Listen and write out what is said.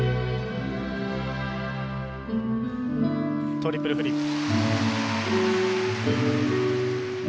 トリプルフリップ。